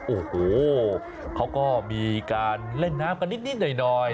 โอ้โหเขาก็มีการเล่นน้ำกันนิดหน่อย